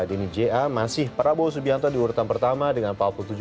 dini ja masih prabowo subianto di urutan pertama dengan empat puluh tujuh